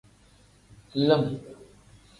Lim.